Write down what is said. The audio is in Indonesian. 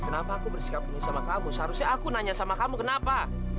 kenapa aku bersikap ini sama kamu seharusnya aku nanya sama kamu kenapa